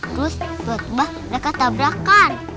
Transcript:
terus tiba tiba mereka tabrakan